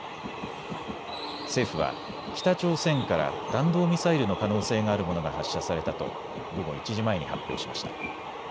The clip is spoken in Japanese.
政府は北朝鮮から弾道ミサイルの可能性があるものが発射されたと午後１時前に発表しました。